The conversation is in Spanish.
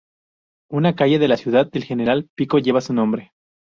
Una calle de la ciudad de General Pico lleva su nombre.